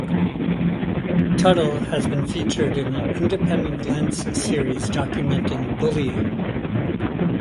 Tuttle has been featured in an Independent Lens series documenting bullying.